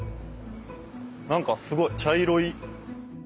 なんかすごい茶色い。